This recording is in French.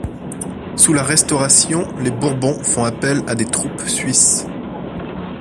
Sous la Restauration, les Bourbons font appel à des troupes suisses.